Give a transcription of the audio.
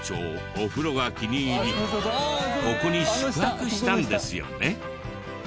お風呂が気に入りここに宿泊したんですよね。